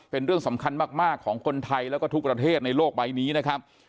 เป็นเรื่องสำคัญมากของคนไทยแล้วก็ทุกประเทศในโลกใบนี้นะครับ